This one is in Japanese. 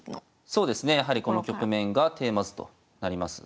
そうですねやはりこの局面がテーマ図となります。